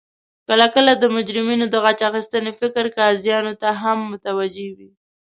کله کله د مجرمینو د غچ اخستنې فکر قاضیانو ته هم متوجه وي